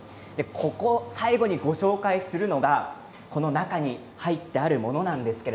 最後にご紹介するのがこの中に入っているものなんです。